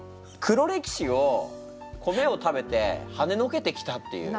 黒歴史を米を食べてはねのけてきたっていう。